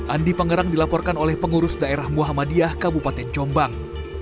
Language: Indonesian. andi pangerang dilaporkan oleh pengurus daerah muhammadiyah kabupaten jombang